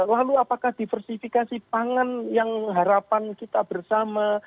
lalu apakah diversifikasi pangan yang harapan kita bersama